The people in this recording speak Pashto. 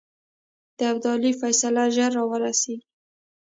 د ابدالي فیصله ژر را ورسېږي.